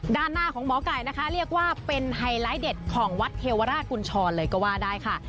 ด้านหน้าของหมอไก่นะคะเรียกว่าเป็นไฮไลท์เด็ดของวัดเทวราชกุญชรเลยก็ว่าได้ค่ะ